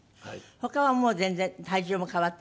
他はもう全然体重も変わってなくて？